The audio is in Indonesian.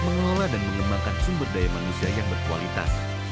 mengelola dan mengembangkan sumber daya manusia yang berkualitas